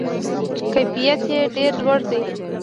کیفیت یې ډیر لوړ دی.